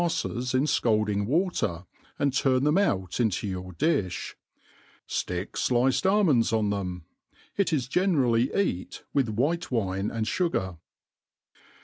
fTes in fcaldjng water, and turn them out into your diih ;, Aick Hiced almonds on them. It is generally eat with white* wine and fugar.